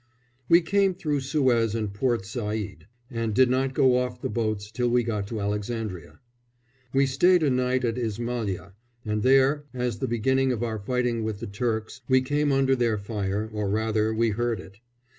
We came through Suez and Port Said, and did not go off the boats till we got to Alexandria. We stayed a night at Ismailia, and there, as the beginning of our fighting with the Turks, we came under their fire, or rather, we heard it.